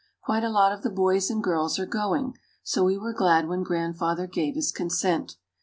Quite a lot of the boys and girls are going, so we were glad when Grandfather gave his consent.